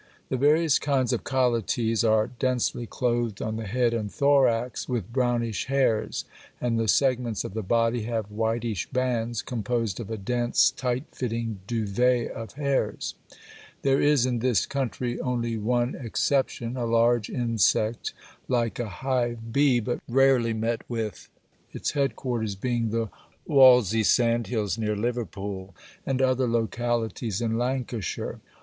The various kinds of Colletes are densely clothed on the head and thorax with brownish hairs, and the segments of the body have whitish bands composed of a dense, tight fitting, duvet of hairs (pl. B, 10). There is in this country only one exception, a large insect like a hive bee, but rarely met with, its headquarters being the Wallasey Sandhills near Liverpool, and other localities in Lancashire.